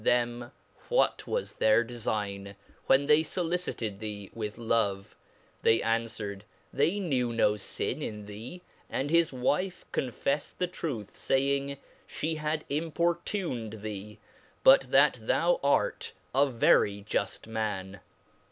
147 them what was their defign, when they folicited thee with love ; they anfwered, they knew no fin in thee, and his wife confefled the truth, faying, fhe had importuned thee, but that thou art a very juft man.